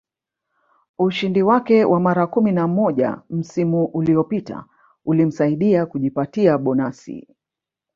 Ushindi wake wa mara kumi na moja msimu uliopita ulimsaidia kujipatia bonasi